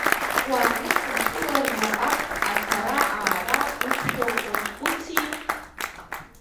Уаанысымкылар заҟантә ацара-аара уқәшәо уазхәыци.